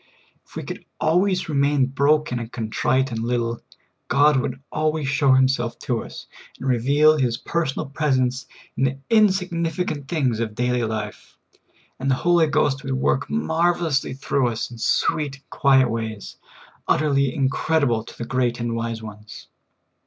If we could always remain broken and contrite and lit tle, God would always show Himself to us, and reveal His personal presence in the insignificant things of daily life, and the Holy Ghost would work marvelously through us in sweet and quiet ways, utterly incredible to the great and wise ones.